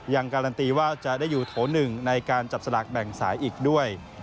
การันตีว่าจะได้อยู่โถ๑ในการจับสลากแบ่งสายอีกด้วย